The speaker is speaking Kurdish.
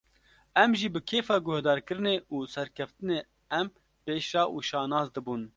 Em jî bi kêfa guhdarkirinê û serkeftinê em pê şa û şanaz dibûn